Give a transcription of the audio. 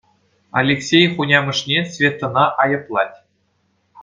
Алексей хунямӑшне Светӑна айӑплать.